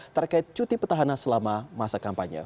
terkait cuti petahana selama masa kampanye